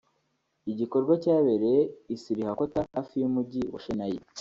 igikorwa cyabereye I Srihakota hafi y’umujyi wa Chennai